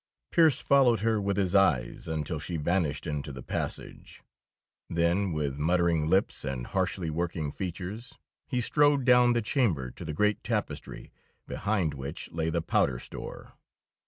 Pearse followed her with his eyes until she vanished into the passage; then with muttering lips and harshly working features he strode down the chamber to the great tapestry behind which lay the powder store.